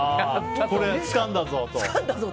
これ、つかんだぞと。